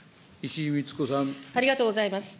ありがとうございます。